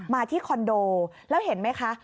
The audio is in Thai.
มาที่คอนโดแล้วเห็นไหมคะ